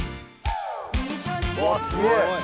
うわっすごい！